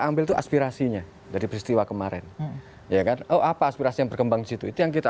ambil tuh aspirasinya dari peristiwa kemarin ya kan oh apa aspirasi yang berkembang situ itu yang kita